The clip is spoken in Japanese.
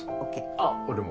あっ俺も。